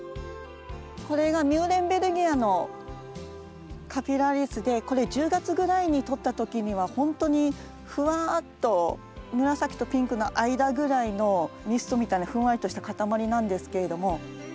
これがミューレンベルギアのカピラリスでこれ１０月ぐらいに撮った時にはほんとにふわっと紫とピンクの間ぐらいのミストみたいなふんわりとした塊なんですけれども。